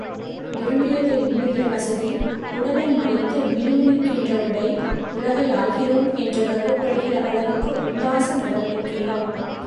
விரும்பியதை உண்ணுகிற வசதி உடலை மறைத்து மினுமினுக்கின்ற உடை, உலகை ஆள்கிறோம் என்று கர்வப்படுகிற அளவுக்கு உல்லாச நடவடிக்கைகள்.